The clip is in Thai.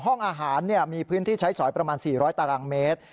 ห้องอาหารมีพื้นที่ใช้สอยประมาณ๔๐๐ตารางเมตร